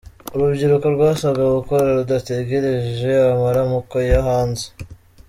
Urubyiruko rwasabwe gukora rudategereje amaramuko yo hanze